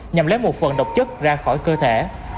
nhằm lấy một phần độc chất ra khỏi cơ thể